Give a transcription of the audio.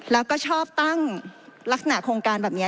แล้วก็ชอบตั้งลักษณะโครงการแบบนี้